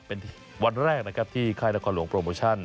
เป็นวันแรกนะครับที่ค่ายนครหลวงโปรโมชั่น